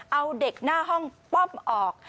เอาเด็กหน้าห้องป้อมออก